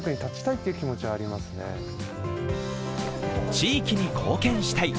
地域に貢献したい。